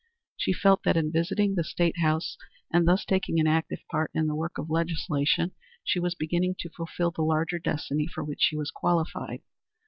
She felt that in visiting the state house and thus taking an active part in the work of legislation she was beginning to fulfil the larger destiny for which she was qualified.